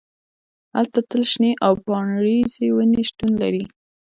هلته تل شنې او پاڼریزې ونې شتون لري